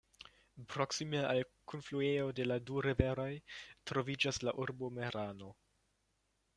Proksime al kunfluejo de la du riveroj, troviĝas la urbo Merano.